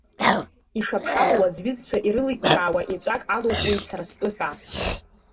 Ишап-шапуа, зҩызцәа ирылыҷҷаауа еҵәак алухуеит сара стәы ҳәа.